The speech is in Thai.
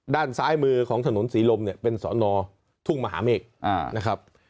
ด้านซ้ายมือของถนนศรีลมเนี่ยเป็นสอนอทุ่งมหาเมฆนะครับ